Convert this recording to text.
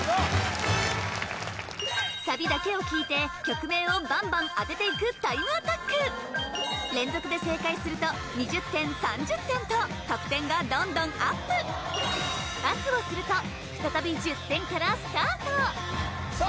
サビだけを聴いて曲名をバンバン当てていくタイムアタック連続で正解すると２０点３０点と得点がどんどんアップパスをすると再び１０点からスタートさあ